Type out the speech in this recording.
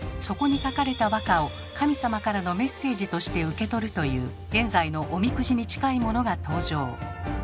そこに書かれた和歌を神様からのメッセージとして受け取るという現在のおみくじに近いものが登場。